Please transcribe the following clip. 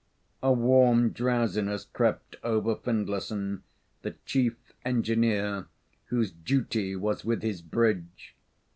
A warm drowsiness crept over Findlayson, the Chief Engineer, whose duty was with his bridge.